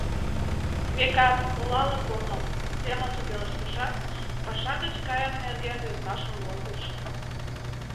«Векат, олалык омыл», — семынже пелештышат, паша гыч кайыме нерген йодмашым возыш.